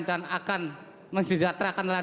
dan akan mensejahterakan nelayan